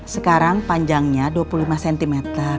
sekarang panjangnya dua puluh lima cm